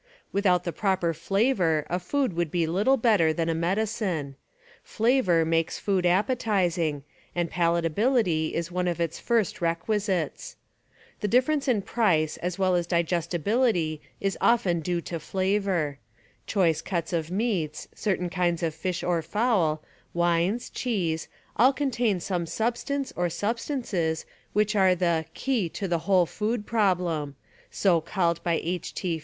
Without the proper flavor a food would be little better than a medicine. Flavor makes food appetizing, and palatability is one of its first requisites. The difference in price as well as digestibility is often due to flavor. Choice cuts of meats, certain kinds of fish Flavor or fowl, wines, cheese, all contain some substance or sub stances which are the "key to the whole food problem" — so called by H. T.